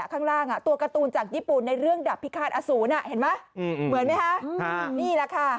คาดแล้วตัวการ์ตูนจังญี่ปุ่นในเรื่องดับพิคาร์ดอสูรเมื่อนักที่ละค่ะ